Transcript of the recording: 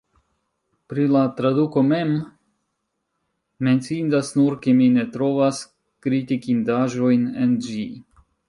Pri la traduko mem, menciindas nur, ke mi ne trovas kritikindaĵojn en ĝi.